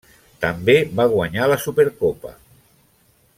També va guanyar la Supercopa.